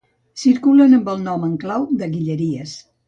Circulen amb el nom en clau de ‘Guilleries’.